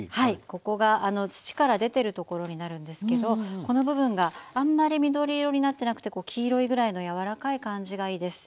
ここが土から出てる所になるんですけどこの部分があんまり緑色になってなくて黄色いぐらいの柔らかい感じがいいです。